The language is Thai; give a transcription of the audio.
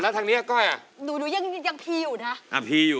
ทางเนี้ยก้อยอ่ะหนูหนูยังยังพีอยู่นะอ่ะพีอยู่